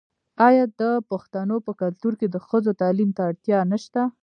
آیا د پښتنو په کلتور کې د ښځو تعلیم ته اړتیا نشته؟